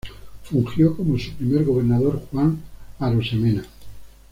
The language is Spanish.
Fungió como su primer gobernador Juan Arosemena.